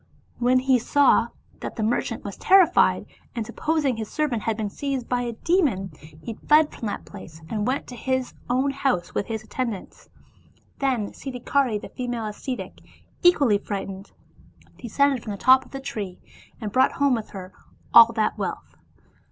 When he saw that, the merchant was terrified, and supposing that his servant had been seized by a demon, he fled from that place, and went to his own house with his attendants. Then Sid dhikari the female ascetic, equally frightened, descended from the top of the tree, and brought home with her all that wealth.